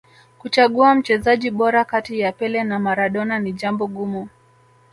kuchagua mchezaji bora kati ya pele na maradona ni jambo gumu